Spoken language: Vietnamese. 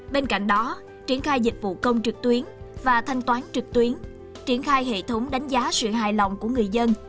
bên cạnh đó triển khai dịch vụ công trực tuyến và thanh toán trực tuyến triển khai hệ thống đánh giá sự hài lòng của người dân